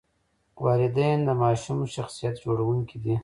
والدین د ماشوم شخصیت جوړونکي دي.